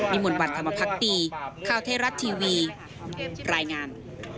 มิหมุนวัฒนธรรมพักตีข้าวเทราะต์ทีวีรายงาน